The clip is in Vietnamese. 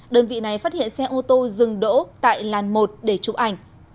đơn vị này phát hiện xe ô tô dừng đỗ tại làn một để chụp ảnh